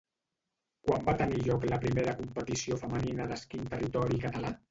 Quan va tenir lloc la primera competició femenina d'esquí en territori català?